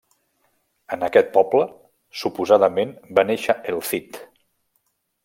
En aquest poble suposadament va néixer El Cid.